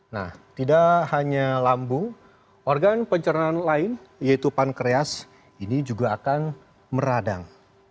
nah tidak hanya lambung organ pencernaan lain yaitu pankreas ini juga akan meradang